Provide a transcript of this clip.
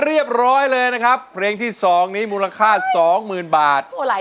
ครับผมแหละครับเขียนมาพิเศษหัยครับผม